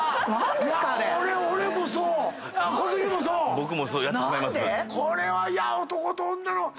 僕もやってしまいます。